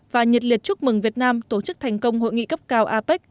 và nhiệt liệt chúc mừng việt nam tổ chức thành công hội nghị cấp cao apec hai nghìn một mươi bảy